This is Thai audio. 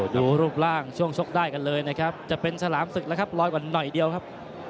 ดูรูปร่างช่วงชกได้กันเลยนะครับจะเป็นฉลามศึกแล้วครับลอยกว่าหน่อยเดียวครับ